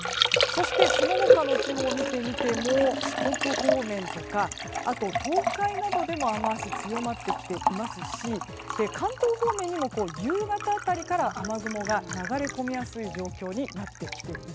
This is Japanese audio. そしてその他の地方を見てみても四国方面や東海などでも雨脚が強まってきていますし関東方面にも夕方辺りから雨雲が流れ込みやすい状況です。